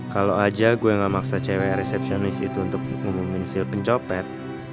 kalau aja gue gak maksa cewek resepsionis itu untuk ngumumin sil pencopet